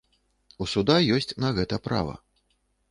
У суда ёсць на гэта права.